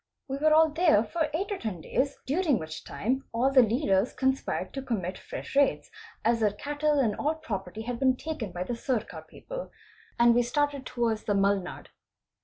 We were all there for eight or ten days, during which time all the leaders conspired to commit fresh raids as their cattle and all property had been taken by the Sircar people and we started towards the Mulnad.